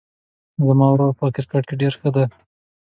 زما ورور په کرکټ کې ډېر ښه ده